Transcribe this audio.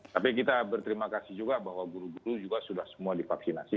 tapi kita berterima kasih juga bahwa guru guru juga sudah semua divaksinasi